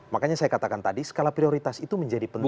makanya saya katakan tadi skala prioritas itu menjadi penting